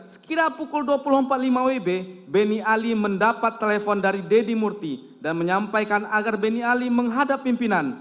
sekira pukul dua puluh empat lima wb beni ali mendapat telepon dari deddy murti dan menyampaikan agar benny ali menghadap pimpinan